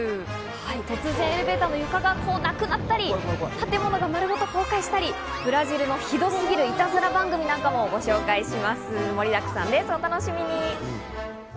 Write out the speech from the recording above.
突然エレベーターの床がなくなったり、建物が丸ごと崩壊したり、ブラジルのひどすぎるイタズラ番組なんかをご紹介します。